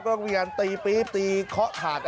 ก็มีการตีปี๊บตีเคาะหาด